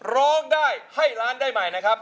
เรามีร้านให้ร้านได้ใหม่นะครับ